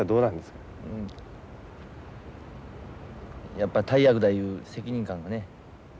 やっぱ大役だいう責任感がね